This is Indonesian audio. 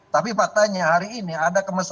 tapi faktanya hari ini ada kemestian